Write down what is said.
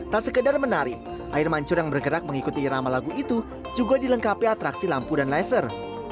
tak sekedar menari air mancur yang bergerak mengikuti irama lagu itu juga dilengkapi atraksi lampu dan laser